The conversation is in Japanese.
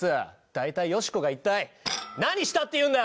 大体ヨシコが一体何したっていうんだよ！